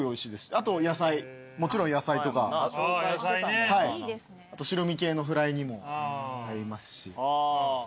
あと野菜もちろん野菜とか白身系のフライにも合いますし。